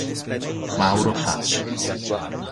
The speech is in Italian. Mauro Facci